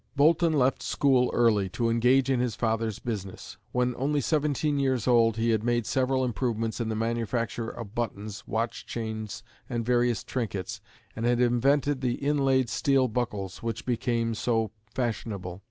Boulton left school early to engage in his father's business. When only seventeen years old, he had made several improvements in the manufacture of buttons, watch chains, and various trinkets, and had invented the inlaid steel buckles, which became so fashionable.